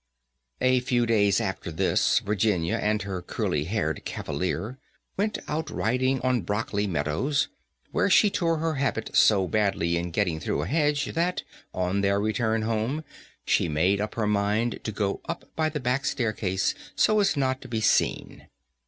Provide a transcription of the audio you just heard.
V A few days after this, Virginia and her curly haired cavalier went out riding on Brockley meadows, where she tore her habit so badly in getting through a hedge that, on their return home, she made up her mind to go up by the back staircase so as not to be seen.